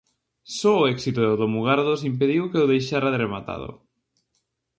Só o éxito do Mugardos impediu que o deixara rematado.